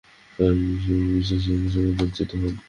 সবাই মিঃ এবং মিসেস ইয়াংয়ের সাথে পরিচিত হোন।